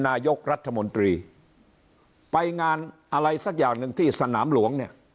นายกรัฐมนตรีไปงานอะไรสักอย่างหนึ่งที่สนามหลวงเนี่ย